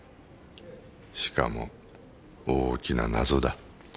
しかもおーきな謎だ。